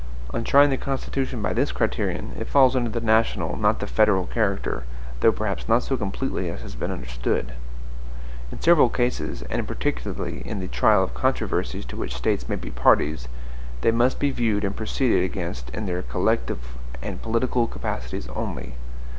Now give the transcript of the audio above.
On trying the Constitution by this criterion, it falls under the NATIONAL, not the FEDERAL character; though perhaps not so completely as has been understood. In several cases, and particularly in the trial of controversies to which States may be parties, they must be viewed and proceeded against in their collective and political capacities only.